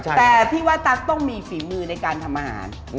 แต่พี่ว่าตั๊กต้องมีฝีมือในการทำอาหาร